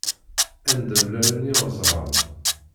Anda mlalen yiɣeẓṛan.